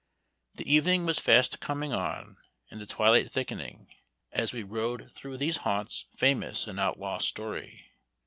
The evening was fast coming on, and the twilight thickening, as we rode through these haunts famous in outlaw story.